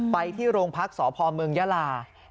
ไปที่โรงพักษ์สพเมืองยาลา